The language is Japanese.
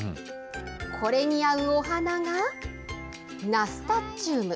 これに合うお花がナスタチウム。